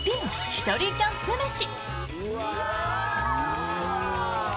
ひとりキャンプ飯。